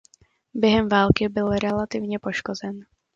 Během války byl relativně poškozen.